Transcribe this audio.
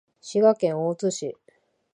滋賀県大津市